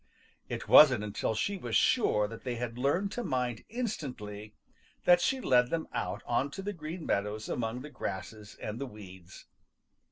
It wasn't until she was sure that they had learned to mind instantly that she led them out on to the Green Meadows among the grasses and the weeds.